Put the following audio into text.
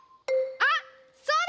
あっそうだ！